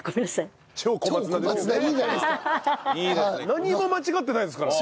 何も間違ってないですから。